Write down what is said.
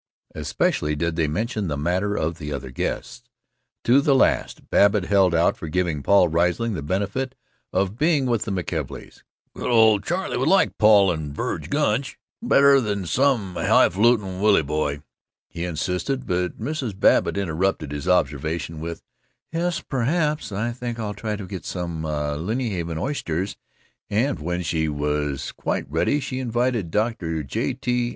Especially did they mention the matter of the other guests. To the last Babbitt held out for giving Paul Riesling the benefit of being with the McKelveys. "Good old Charley would like Paul and Verg Gunch better than some highfalutin' Willy boy," he insisted, but Mrs. Babbitt interrupted his observations with, "Yes perhaps I think I'll try to get some Lynnhaven oysters," and when she was quite ready she invited Dr. J. T.